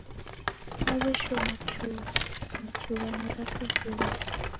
Naw'eshoma chuo cha chughano ra Kizungu.